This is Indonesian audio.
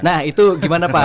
nah itu gimana pak